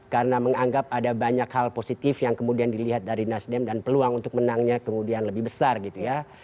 karena menganggap ada banyak hal positif yang kemudian dilihat dari nasdem dan peluang untuk menangnya kemudian lebih besar gitu ya